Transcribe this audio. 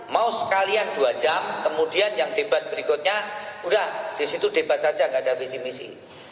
mau sekalian dua jam kemudian yang debat berikutnya udah disitu debat saja nggak ada visi misi